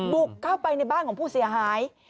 บุกเข้าไปในบ้านของผู้เสียหาย